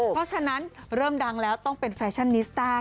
เพราะฉะนั้นเริ่มดังแล้วต้องเป็นแฟชั่นนิสต้า